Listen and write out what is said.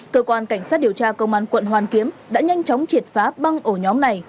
cơ quan cảnh sát điều tra công an quận hoàn kiếm đã nhanh chóng triệt phá băng ổ nhóm này